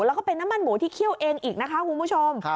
แล้วก็เป็นน้ำมันหมูที่เคี่ยวเองอีกนะคะคุณผู้ชม